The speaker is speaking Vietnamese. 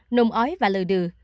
nùng ói và lừa đừ